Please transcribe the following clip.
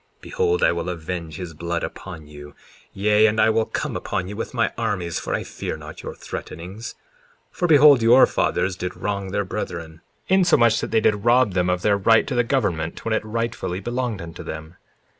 Behold, I will avenge his blood upon you, yea, and I will come upon you with my armies for I fear not your threatenings. 54:17 For behold, your fathers did wrong their brethren, insomuch that they did rob them of their right to the government when it rightly belonged unto them.